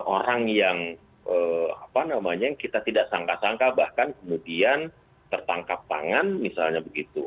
orang yang apa namanya yang kita tidak sangka sangka bahkan kemudian tertangkap tangan misalnya begitu